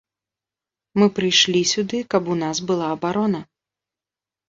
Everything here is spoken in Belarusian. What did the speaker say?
Мы прыйшлі сюды, каб у нас была абарона.